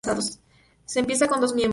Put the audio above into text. Se empieza con dos miembros.